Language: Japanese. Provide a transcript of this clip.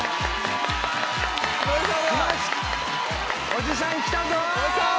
おじさん来たぞ！